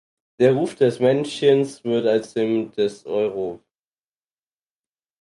Der Ruf des Männchens wird als dem des Europ.